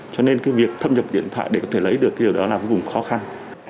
cho nên việc thâm nhập điện thoại để có thể lấy được điều đó là vô cùng khó khăn